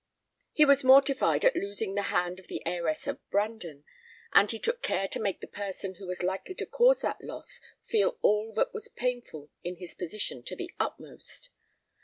Ho was mortified at losing the hand of the heiress of Brandon, and he took care to make the person who was likely to cause that loss feel all that was painful in his position to the utmost.